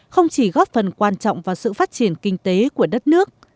không chỉ góp phần quan trọng vào sự phát triển kinh tế của đất nước